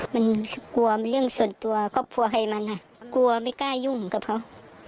มันกลัวมันเรื่องส่วนตัวครอบครัวใครมันอ่ะกลัวไม่กล้ายุ่งกับเขา